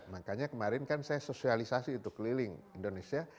makanya kemarin kan saya sosialisasi itu keliling indonesia